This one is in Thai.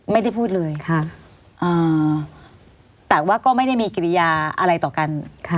ไม่ได้พูดเลยแต่ว่าก็ไม่ได้มีกิริยาอะไรต่อกัน